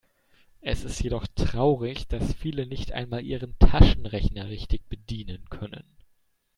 Es ist jedoch traurig, dass viele nicht einmal ihren Taschenrechner richtig bedienen können.